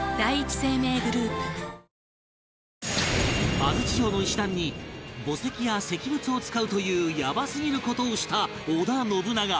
安土城の石段に墓石や石仏を使うというやばすぎる事をした織田信長